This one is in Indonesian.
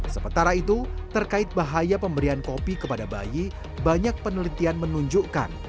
sementara itu terkait bahaya pemberian kopi kepada bayi banyak penelitian menunjukkan